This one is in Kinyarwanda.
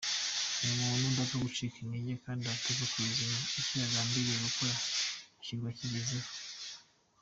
Ni umuntu udapfa gucika intege kandi utava ku izima, icyo yagambiriye gukora ashyirwa akigezeho.